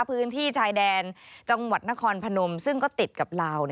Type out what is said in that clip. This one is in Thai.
พื้นที่ชายแดนจังหวัดนครพนมซึ่งก็ติดกับลาว